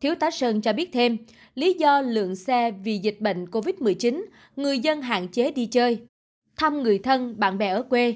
thiếu tá sơn cho biết thêm lý do lượng xe vì dịch bệnh covid một mươi chín người dân hạn chế đi chơi thăm người thân bạn bè ở quê